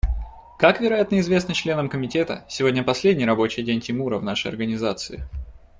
Как, вероятно, известно членам Комитета, сегодня последний рабочий день Тимура в нашей Организации.